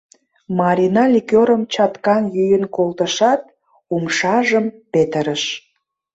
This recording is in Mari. Марина ликёрым чаткан йӱын колтышат, умшажым петырыш.